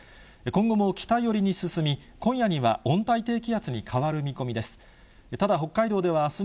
今後も北寄りに進み、今夜には温帯低気圧に変わる見込みです。